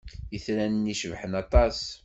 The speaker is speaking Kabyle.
Itran-nni cebḥen aṭas!